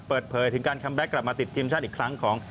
เปิดเผยถึงการคัมแบ็คกลับมาติดทีมชาติอีกครั้งของ